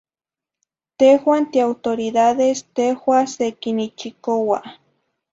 Tehuah tiautoridades tehuah sequinichicoua.